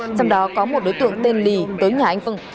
trong đó có một đối tượng tên lì tới nhà anh phương